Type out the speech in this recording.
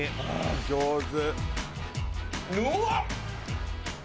上手」